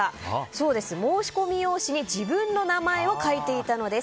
そうです、申し込み用紙に自分の名前を書いていたのです。